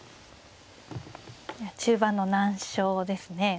中盤の難所ですね。